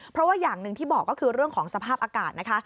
เพราะว่าอย่างหนึ่งที่บอกก็คือเรื่องของสภาพอากาศนะคะ